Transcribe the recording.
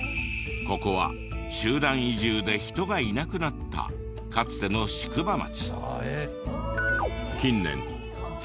ここは集団移住で人がいなくなったかつての宿場町。